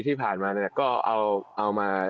ที่ผ่านมาเนี่ยก็เอามา